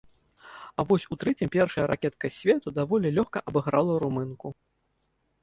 А вось у трэцім першая ракетка свету даволі лёгка абыграла румынку.